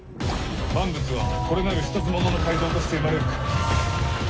万物はこれなる一者の改造として生まれうく。